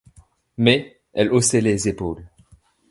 Mais elle haussait les épaules.